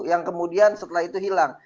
yang kemudian setelah itu hilang